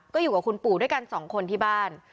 ก็อยู่กับคุณปู่ด้วยกันสองคนที่บ้าน